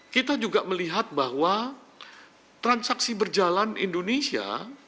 kita juga melihat bahwa transaksi berjalan indonesia